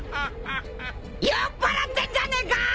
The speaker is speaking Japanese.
酔っぱらってんじゃねえか！！